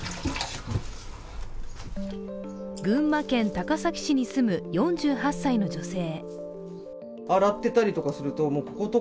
群馬県高崎市に住む４８歳の女性。